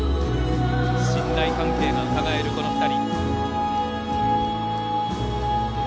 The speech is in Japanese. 信頼関係がうかがえるこの２人。